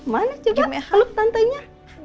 mana coba peluk tantenya